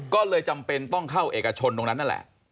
ก็เลยจำเป็นต้องเข้าเอกชนตรงนั้นนั่นแหละ